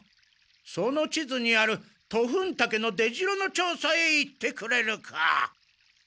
その地図にあるトフンタケの出城の調査へ行ってくれるか？